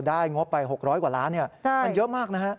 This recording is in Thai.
ได้งบไป๖๐๐กว่าล้านมันเยอะมากนะครับ